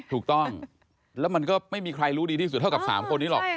ถูกต้องแล้วมันก็ไม่มีใครรู้ดีที่สุดเท่ากับ๓คนนี้หรอก